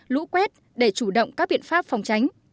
lũ quét để chủ động các biện pháp phòng tránh